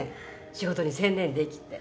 仕事に専念できて。